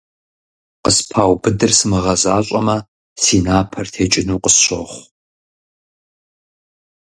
Къыспаубыдыр сымыгъэзащӀэмэ, си напэр текӀыну къысщохъу.